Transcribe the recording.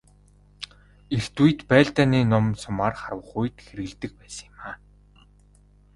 Эрт үед байлдааны нум сумаар харвах үед хэрэглэдэг байсан юм.